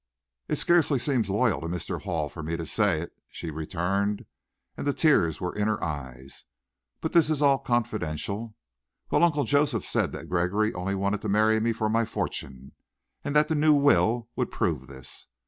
"It scarcely seems loyal to Mr. Hall for me to say it," she returned, and the tears were in her eyes. "But this is all confidential. Well, Uncle Joseph said that Gregory only wanted to marry me for my fortune, and that the new will would prove this.